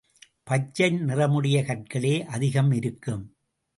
பச்சை நிறமுடைய கற்களே அதிகம் இருக்கும்.